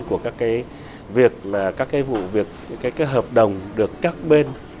của các hợp đồng được các bên